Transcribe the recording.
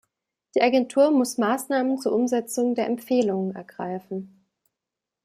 Die Agentur muss Maßnahmen zur Umsetzung der Empfehlungen ergreifen.